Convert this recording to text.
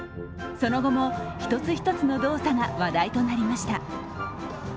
その後も、一つ一つの動作が話題となりました。